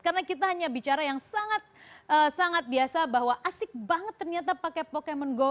karena kita hanya bicara yang sangat sangat biasa bahwa asik banget ternyata pakai pokemon go